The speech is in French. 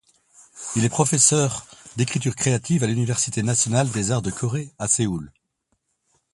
Il est professeur d'écriture créative à l'université nationale des arts de Corée à Séoul.